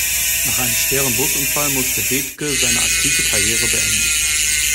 Nach einem schweren Busunfall musste Bethge seine aktive Karriere beenden.